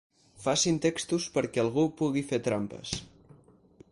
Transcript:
Facin textos perquè algú pugui fer trampes.